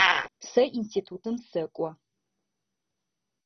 Сэ институтым сэкӏо.